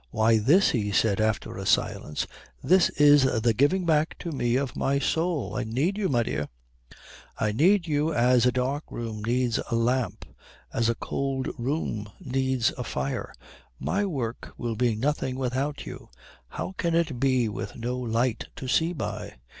"Why, this," he said, after a silence, "this is the giving back to me of my soul. I need you, my dear. I need you as a dark room needs a lamp, as a cold room needs a fire. My work will be nothing without you how can it be with no light to see by?